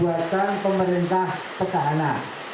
buatkan pemerintah petahana